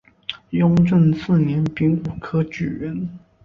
雍正四年丙午科举人。